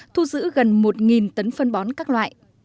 thu giữ gần một tấn phân bón các loại